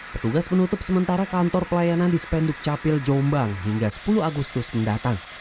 petugas menutup sementara kantor pelayanan di spenduk capil jombang hingga sepuluh agustus mendatang